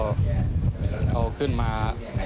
เอาขึ้นมา